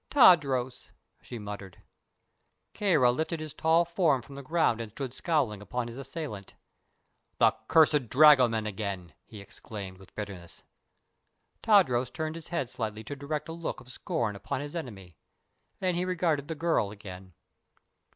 "Tadros!" she muttered. Kāra lifted his tall form from the ground and stood scowling upon his assailant. "The cursed dragoman again!" he exclaimed, with bitterness. Tadros turned his head slightly to direct a look of scorn upon his enemy. Then he regarded the girl again.